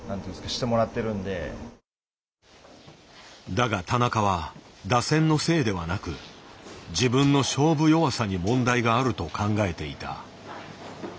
だが田中は打線のせいではなく自分の勝負弱さに問題があると考えていた。